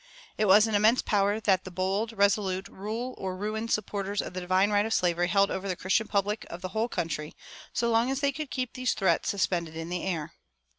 It was an immense power that the bold, resolute, rule or ruin supporters of the divine right of slavery held over the Christian public of the whole country, so long as they could keep these threats suspended in the air.